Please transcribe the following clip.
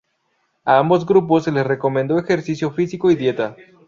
A ambos grupos se les recomendó ejercicio físico y dieta.